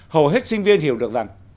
hầu hết sinh viên hiểu được rằng